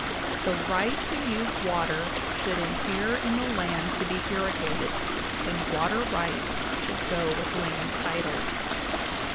The right to use water should inhere in the land to be irrigated, and water rights should go with land titles' (41).